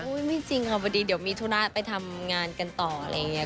ไม่จริงค่ะพอดีเดี๋ยวมีธุระไปทำงานกันต่ออะไรอย่างนี้